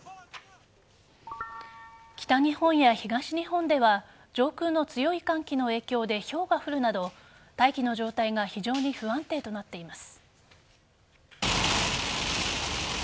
北日本や東日本では上空の強い寒気の影響でひょうが降るなど大気の状態が非常に不安定となっています。